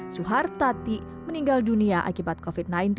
suhartati meninggal dunia akibat covid sembilan belas